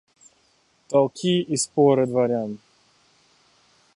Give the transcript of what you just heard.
Толки и споры дворян.